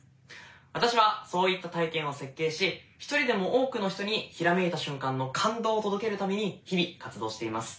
私はそういった体験を設計し一人でも多くの人にひらめいた瞬間の感動を届けるために日々活動しています。